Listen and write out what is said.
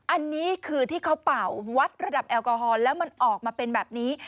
อันนี้คือที่เขาเป่าวัดระดับแอลกอฮอลแล้วมันออกมาเป็นแบบนี้